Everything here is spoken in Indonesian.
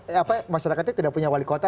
eh apa masyarakatnya tidak punya wali kota